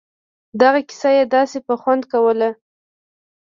دغه کيسه يې داسې په خوند کوله.